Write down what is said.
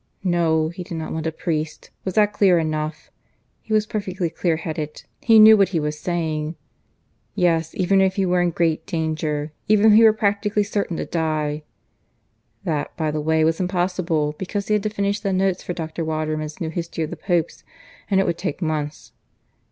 No: he did not want a priest. Was that clear enough? ... He was perfectly clear headed; he knew what he was saying. ... Yes; even if he were in great danger ... even if he were practically certain to die. (That, by the way, was impossible; because he had to finish the notes for Dr. Waterman's new History of the Popes; and it would take months.)